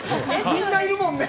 みんないるもんね。